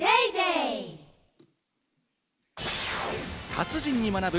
達人に学ぶ！